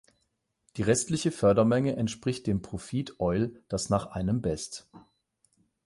Die restliche Fördermenge entspricht dem Profit Oil, das nach einem best.